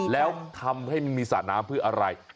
แล้วทำให้มันมีสระน้ำเพื่ออะไร